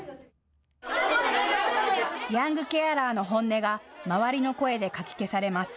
ヤングケアラーの本音が周りの声でかき消されます。